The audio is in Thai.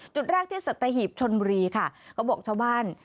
จุดแรกที่สัตหีบชนบุรีค่ะเขาบอกชาวบ้าน